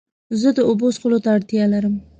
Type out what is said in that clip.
زه د اوبو څښلو ته اړتیا لرم.